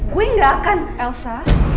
gue gak akan elsa